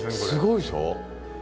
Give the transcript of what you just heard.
すごいでしょ。